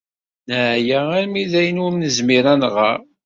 Neɛya armi dayen ur nezmir ad nɣer.